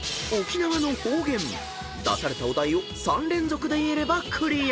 ［出されたお題を３連続で言えればクリア］